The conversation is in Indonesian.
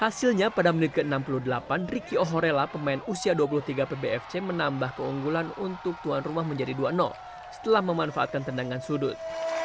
hasilnya pada menit ke enam puluh delapan ricky ohorella pemain usia dua puluh tiga pbfc menambah keunggulan untuk tuan rumah menjadi dua setelah memanfaatkan tendangan sudut